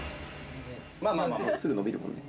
まあまあまあまあすぐ伸びるね。